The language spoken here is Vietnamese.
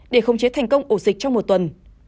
để khống chế thành công ổ dịch trong một tuần